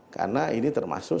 karena ini termasuk